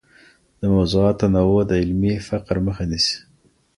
د موضوعاتو تنوع د علمي فقر مخه نيسي.